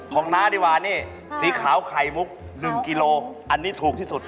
ของนานี่สีขาวไขมุค๑กิโลอันนี้ถูกที่สุด